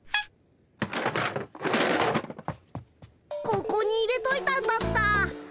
ここに入れといたんだった。